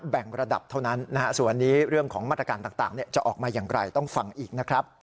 แบ่งระดับเท่านั้นนะฮะส่วนนี้เรื่องของมาตรการต่างจะออกมาอย่างไรต้องฟังอีกนะครับ